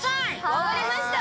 わかりました！